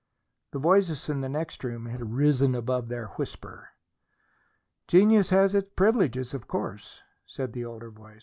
The voices in the next room had risen above their whisper. "Genius has privileges, of course," said the older voice.